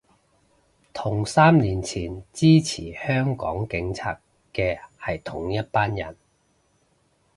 同三年前支持香港警察嘅係同一班人